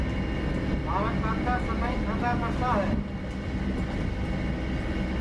مھارا کاکا سدائیں کھانٚگا کرا ہے